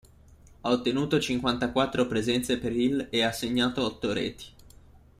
Ha ottenuto cinquantaquattro presenze per il e ha segnato otto reti.